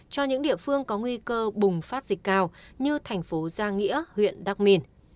cho những địa phương có nguy cơ bùng phát dịch cao như thành phố giang nghĩa huyện đắk minh